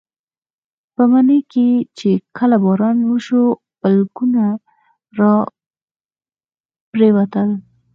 په مني کې چې کله باران وشو بلګونه راپرېوتل.